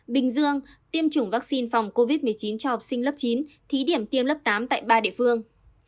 bình dương tiêm chủng vaccine phòng covid một mươi chín cho học sinh lớp chín thí điểm tiêm lớp tám tại ba địa phương